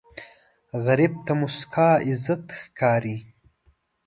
غریب ته موسکا عزت ښکاري